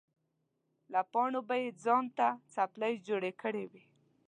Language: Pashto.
له پاڼو به یې ځان ته څپلۍ جوړې کړې وې.